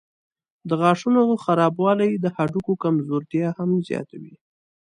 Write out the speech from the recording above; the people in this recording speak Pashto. د غاښونو خرابوالی د هډوکو کمزورتیا هم زیاتوي.